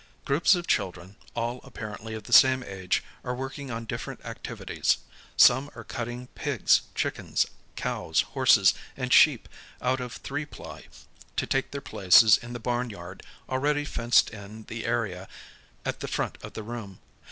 Groups of chil dren, all apparently of the same age, are working on different activ ities. Some are cutting pigs, chickens, cows, horses, and sheep out of three ply to take their places in the barnyard already fenced in the area at the front of the room.